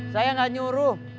saya enggak nyuruh